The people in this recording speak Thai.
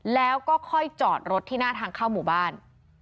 แล้วก็ค่อยจอดรถที่หน้าทางเข้าหมู่บ้าน